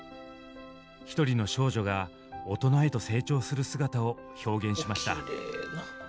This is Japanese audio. ひとりの少女が大人へと成長する姿を表現しました。